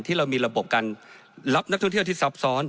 ที่เรามีระบบการรับนักท่องเที่ยวที่ซับซ้อน